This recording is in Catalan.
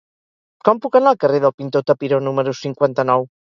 Com puc anar al carrer del Pintor Tapiró número cinquanta-nou?